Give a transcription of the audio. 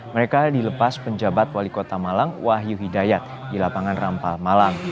mereka dilepas penjabat wali kota malang wahyu hidayat di lapangan rampal malang